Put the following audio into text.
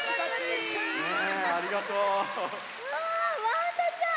わわんだちゃん！